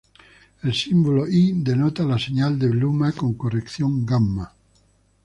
El símbolo Y' denota la señal de luma con corrección gamma.